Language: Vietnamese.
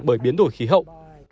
bởi biến đổi khí hậu